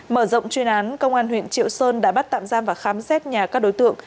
mở rộng chuyên án công an huyện triệu sơn đã bắt tạm giam và khám xét nhà các đối tượng